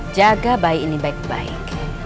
jaga bayi ini baik baik